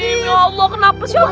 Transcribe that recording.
ya allah kenapa sih